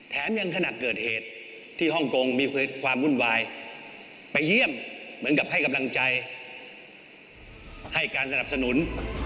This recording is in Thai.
แถมยังขณะเกิดเหตุที่ฮ่องกงมีความวุ่นวายไปเยี่ยมเหมือนกับให้กำลังใจให้การสนับสนุน